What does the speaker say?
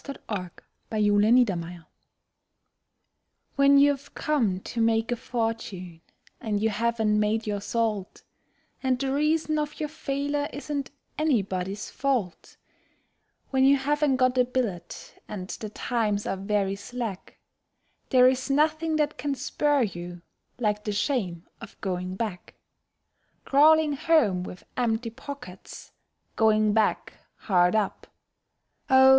The Shame of Going Back When you've come to make a fortune and you haven't made your salt, And the reason of your failure isn't anybody's fault When you haven't got a billet, and the times are very slack, There is nothing that can spur you like the shame of going back; Crawling home with empty pockets, Going back hard up; Oh!